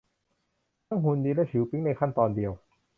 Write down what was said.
ทั้งหุ่นดีและผิวปิ๊งในขั้นตอนเดียว